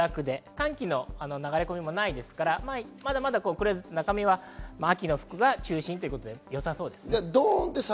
寒気の流れ込みもないので、まだ秋の服が中心ということでよさそうです。